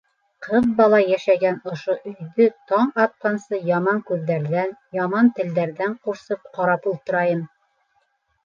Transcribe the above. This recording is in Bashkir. Ҡыҙ бала йәшәгән ошо өйҙө таң атҡансы яман күҙҙәрҙән, яман телдәрҙән ҡурсып ҡарап ултырайым...